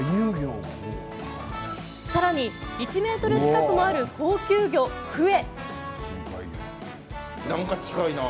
さらに、１ｍ近くもある高級魚、クエ。